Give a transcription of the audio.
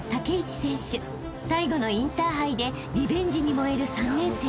［最後のインターハイでリベンジに燃える３年生］